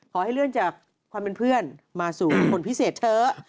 ขอให้เลื่อนจากความเป็นเพื่อนมาสู่คนพิเศษเถอะ